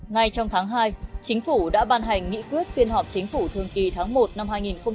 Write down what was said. ngay trong tháng hai chính phủ đã ban hành nghị quyết phiên họp chính phủ thường kỳ tháng một năm hai nghìn hai mươi